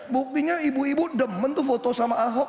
buktinya ibu ibu demen tuh foto sama ahok